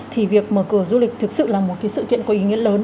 thì việc mở cửa du lịch thực sự là một sự kiện có ý nghĩa lớn